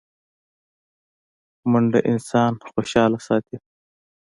منډه انسان خوشحاله ساتي